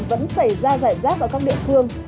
vẫn xảy ra rải rác ở các địa phương